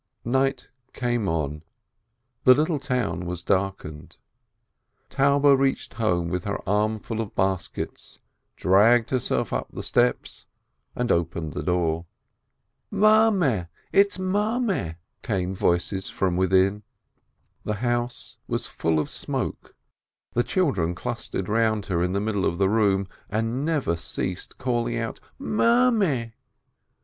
.flight came on, the little town was darkened. Taube reached home with her armful of baskets, dragged herself up the steps, and opened the door. "Maine, it's Ma a me !" came voices from within. The house was full of smoke, the children clustered round her in the middle of the room, and never ceased calling out Mame !